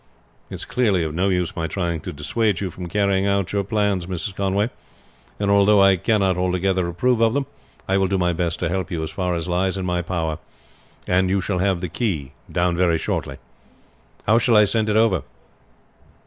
"It is clearly of no use my trying to dissuade you from carrying out your plans, Mrs. Conway; and although I cannot altogether approve of them, I will do my best to help you as far as lies in my power, and you shall have the key down very shortly. How shall I send it over?"